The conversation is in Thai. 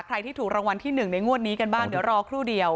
ใครที่ถูกรางวัลที่๑ในงวดนี้กันบ้างเดี๋ยวรอครู่เดียว